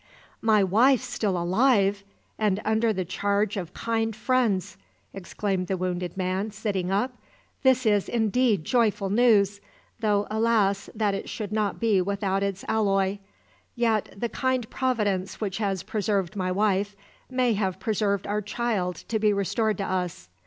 "My wife still alive! and under the charge of kind friends!" exclaimed the wounded man, sitting up. "This is indeed joyful news! though alas that it should not be without its alloy! Yet the kind Providence which has preserved my wife, may have preserved our child to be restored to us.